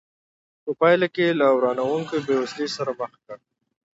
په پایله کې له ورانوونکې بېوزلۍ سره مخ کړ.